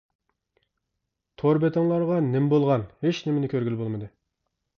تور بېتىڭلارغا نېمە بولغان، ھېچنېمىنى كۆرگىلى بولمىدى.